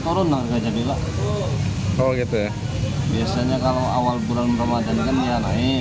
udah jalan seminggu turun harga cabai biasanya